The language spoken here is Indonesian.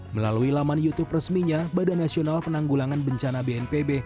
melalui laman youtube resminya badan nasional penanggulangan bencana bnpb